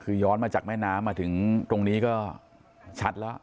คือย้อนมาจากแม่น้ำมาถึงตรงนี้ก็ชัดแล้ว